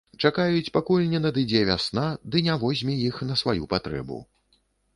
Чакаюць, пакуль не надыдзе вясна ды не возьме іх на сваю патрэбу.